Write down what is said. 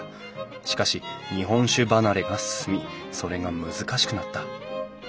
しかし日本酒離れが進みそれが難しくなった。